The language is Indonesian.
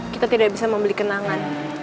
kita tidak bisa membeli kenangan